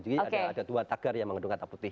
jadi ada dua tagar yang mengedung kata putih